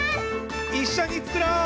いっしょにつくろう！